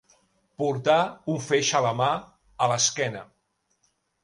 Portar un feix a la mà, a l'esquena.